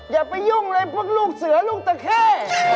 อย่าไปยุ่งเลยพวกลูกเสือลูกตะเข้